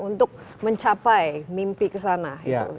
untuk mencapai mimpi kesana